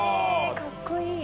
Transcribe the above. かっこいい